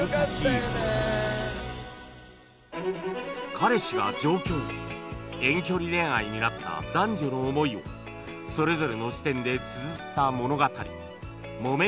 彼氏が上京遠距離恋愛になった男女の思いをそれぞれの視点でつづった物語『木綿のハンカチーフ』